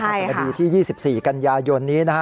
ปราศนดีที่๒๔กันยายนนี้